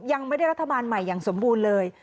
ยังไม่ได้รัฐบาลใหม่อย่างสมบูรณ์เลย